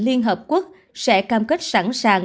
liên hợp quốc sẽ cam kết sẵn sàng